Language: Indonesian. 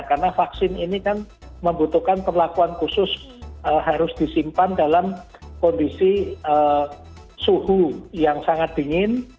karena vaksin ini kan membutuhkan perlakuan khusus harus disimpan dalam kondisi suhu yang sangat dingin